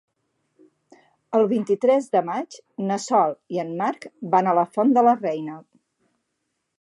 El vint-i-tres de maig na Sol i en Marc van a la Font de la Reina.